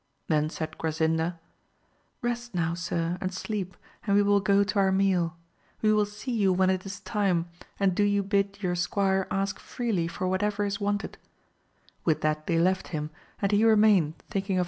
Then said Grasinda, Rest now sir, and sleep, and we will go to our meal ; we will see you when it is time, and do you bid your squire ask freely for whatever is wanted ; with that they left him, and he remained thinking of.